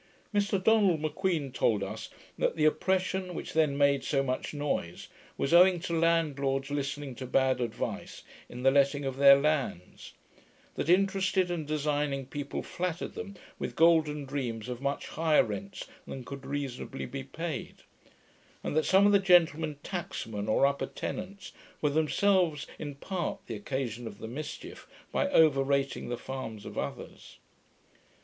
Mr Donald M'Queen told us, that the oppression, which then made so much noise, was owing to landlords listening to bad advice in the letting of their lands; that interested and designed people flattered them with golden dreams of much higher rents than could reasonably be paid; and that some of the gentlemen tacksmen, or upper tenants, were themselves in part the occasion of the mischief, by over rating the farms of others.